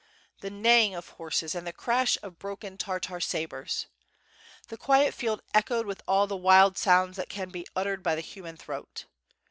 765 the neighing of horses, and the crash of broken Tartar sabres. The qniet field echoed with all the wild sounds that can be uttered by the human throat.